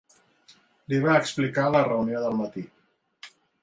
Li va explicar la reunió del matí.